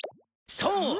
そう！